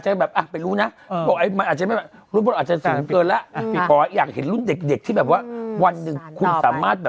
แต่ว่าปลอมแปลงนะคะ